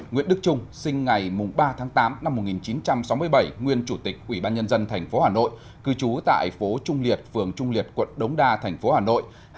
một nguyễn đức trung sinh ngày ba tháng tám năm một nghìn chín trăm sáu mươi bảy nguyên chủ tịch ủy ban nhân dân tp hà nội cư trú tại phố trung liệt phường trung liệt quận đống đa thành phố hà nội